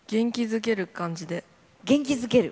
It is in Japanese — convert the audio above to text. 元気づける。